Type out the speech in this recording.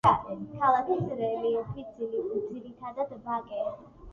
ქალაქის რელიეფი ძირითად ვაკე.